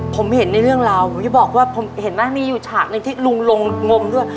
ผมเห็นในเรื่องราวผมจะบอกว่าผมเห็นไหมมีอยู่ฉากหนึ่งที่ลุงลงงมด้วย